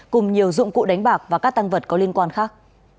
cùng nhiều dụng cụ đánh bạc và các tăng vật có liên quan khác